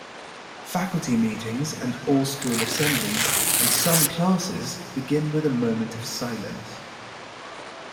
Faculty meetings and all-school assemblies and some classes begin with a moment of silence.